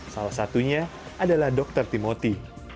salah satunya adalah dokter timoti